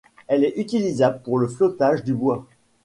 Elle est utilisable pour le flottage du bois.